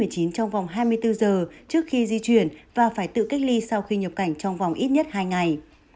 trong vòng hai mươi bốn giờ trước khi di chuyển và phải tự cách ly sau khi nhập cảnh trong vòng ít nhất hai ngày